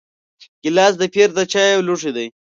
ګیلاس د پیر د چایو لوښی دی.